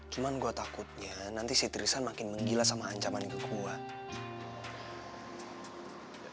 cuman gua takutnya nanti si tristan makin menggila sama ancaman yang kekuat